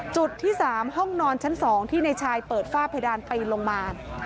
จุดที่๓ห้องนอนชั้น๒ที่ในชายเปิดฝ้าเพดานปีนลงมา